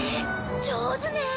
上手ね。